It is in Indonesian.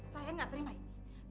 saya gak terima ini